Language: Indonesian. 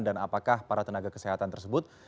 dan apakah para tenaga kesehatan tersebut